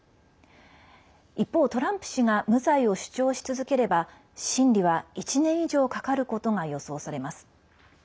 一方、トランプ氏が無罪を主張し続ければ審理は１年以上かかることが予想されます。